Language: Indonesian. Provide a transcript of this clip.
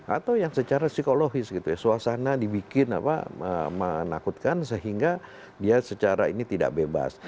atau yang secara psikologis gitu ya suasana dibikin apa menakutkan sehingga dia secara ini tidak bebas